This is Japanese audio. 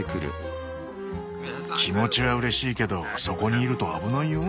気持ちはうれしいけどそこにいると危ないよ。